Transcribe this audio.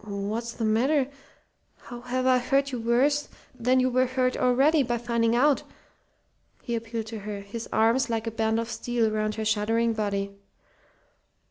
"What's the matter? How have I hurt you worse than you were hurt already by finding out?" he appealed to her, his arms like a band of steel round her shuddering body.